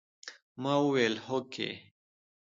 ما وويل هوکې.